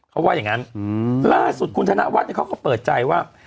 เขาว่าอย่างงั้นล่าสุดคุณธนวัฒน์เขาก็เปิดใจว่า